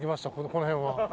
この辺は。